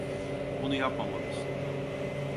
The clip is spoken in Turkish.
Bunu yapmamalısın.